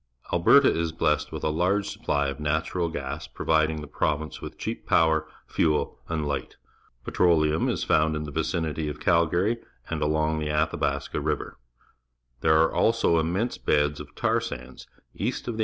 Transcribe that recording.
Alberta is blessed with a large supply of natural gas, providing the province with cheap power, fuel, and hght. Petrol eum is foimd in the \"icimt3' of Calgarj' and along the Athabaska River. There are also inmiense beds of tar sa nds east of the